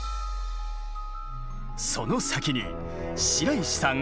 その先に白石さん